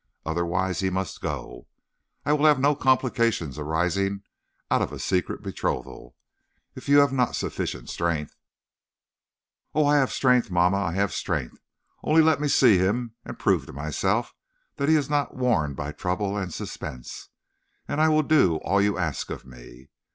Otherwise he must go. I will have no complications arising out of a secret betrothal. If you have not sufficient strength " "Oh, I have strength, mamma! I have strength. Only let me see him, and prove to myself that he is not worn by trouble and suspense, and I will do all you ask of me.